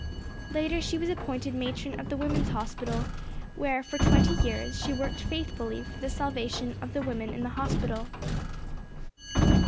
Later she was appointed matron of the Women's Hospital where for twenty years she worked faithfully for the salvation of the women in the hospital.